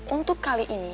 untuk kali ini